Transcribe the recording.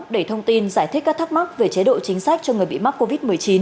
để thông tin giải thích các thắc mắc về chế độ chính sách cho người bị mắc covid một mươi chín